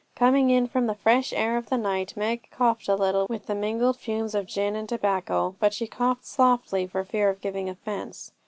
Coming in from the fresh air of the night, Meg coughed a little with the mingled fumes of gin and tobacco; but she coughed softly for fear of giving offence.